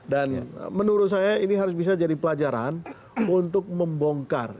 dan menurut saya ini harus bisa jadi pelajaran untuk membongkar